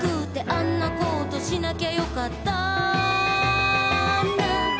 「あんなことしなきゃよかったな」